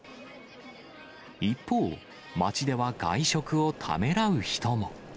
一方、街では外食をためらう人も。